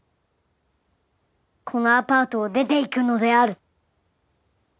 このアパートを出て行くのである！